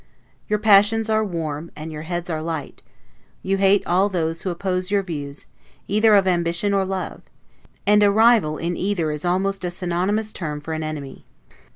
Your passions are warm, and your heads are light; you hate all those who oppose your views, either of ambition or love; and a rival, in either, is almost a synonymous term for an enemy.